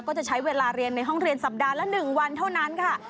ก็จะใช้เวลาเรียนในห้องเรียนสัปดาห์ละ๑วันเท่านั้นค่ะ